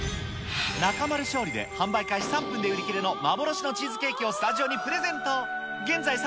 中丸勝利で販売開始３分で売り切れの幻のチーズケーキをスタジオにプレゼント。